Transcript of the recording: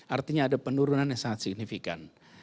artinya ada penurunan yang sangat signifikan